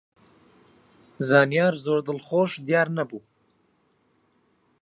زانیار زۆر دڵخۆش دیار نەبوو.